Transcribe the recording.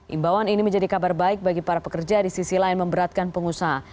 imbauan ini menjadi kabar baik bagi para pekerja di sisi lain memberatkan pengusaha